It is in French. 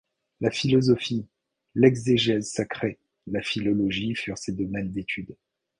La philosophie, l’exégèse sacrée, la philologie furent ses domaines d'étude.